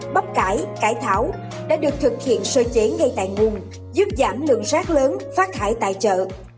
bắp cải cái tháo đã được thực hiện sơ chế ngay tại nguồn giúp giảm lượng rác lớn phát thải tại chợ